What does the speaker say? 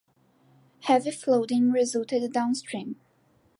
Heavy flooding resulted downstream.